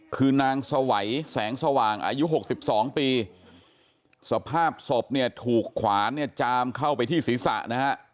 คือนางสวัยแสงสว่างอายุ๖๒ปีสภาพศพถูกขวานจามเข้าไปที่ศีรษะนะฮะ